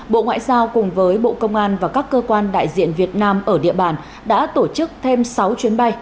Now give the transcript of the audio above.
bộ ngoại giao cùng với bộ công an và các cơ quan đại diện việt nam ở địa bàn đã tổ chức thêm sáu chuyến bay